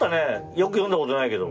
よく読んだことないけど。